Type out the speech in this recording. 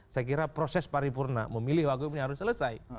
saya kira proses paripurna memilih wagub ini harus selesai